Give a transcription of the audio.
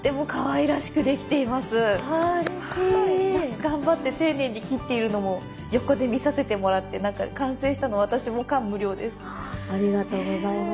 頑張って丁寧に切っているのも横で見させてもらってなんか完成したの私も感無量です。